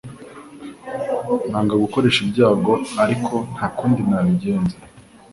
Nanga gukoresha ibyago ariko nta kundi nabigenza